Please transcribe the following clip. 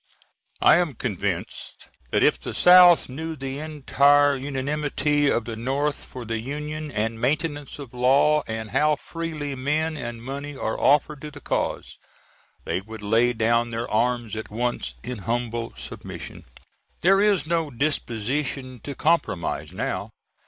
I am convinced that if the South knew the entire unanimity of the North for the Union and maintenance of Law, and how freely men and money are offered to the cause, they would lay down their arms at once in humble submission. There is no disposition to compromise now.